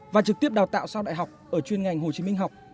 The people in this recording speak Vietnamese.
và trực tiếp đào tạo sau đại học ở chuyên ngành hồ chí minh học